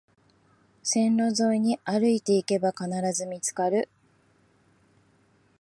線路沿いに歩いていけば必ず見つかる